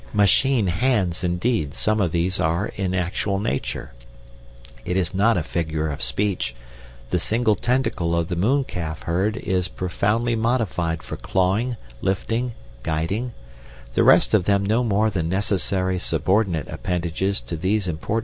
'Machine hands,' indeed, some of these are in actual nature—it is no figure of speech, the single tentacle of the mooncalf herd is profoundly modified for clawing, lifting, guiding, the rest of them no more than necessary subordinate appendages to these important parts.